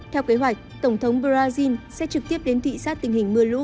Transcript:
theo kế hoạch tổng thống brazil sẽ trực tiếp đến thị xác tình hình mưa lũ